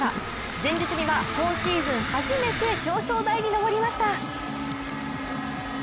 前日には今シーズン初めて表彰台に上りました。